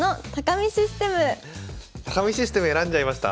見システム選んじゃいました？